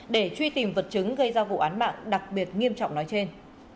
để truy tìm vật chứng gây ra vụ án mạng đặc biệt nghiêm trọng nói trên